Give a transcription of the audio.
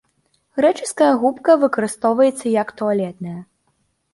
Грэчаская губка выкарыстоўваецца як туалетная.